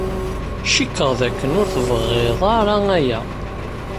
Cikkeɣ dakken ur tebɣid ara aya.